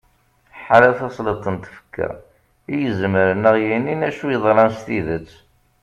ḥala tasleḍt n tfekka i izemren ad aɣ-yinin acu yeḍran s tidet